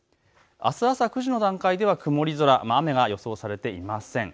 あす朝９時の段階では曇り空、雨が予想されていません。